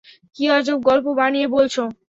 কি আজব গল্প বানিয়ে বলছো?